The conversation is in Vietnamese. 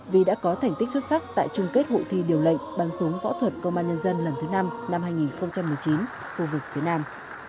vì đã có thành tích xuất sắc tại trung kết hội thi điều lệnh bắn súng võ thuật công an nhân dân lần thứ năm năm hai nghìn một mươi chín khu vực phía nam